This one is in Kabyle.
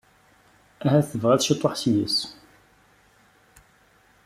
Ahat tebɣiḍ ciṭuḥ seg-s.